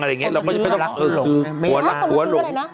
อะไรอย่างนี้ควรลักผัวลง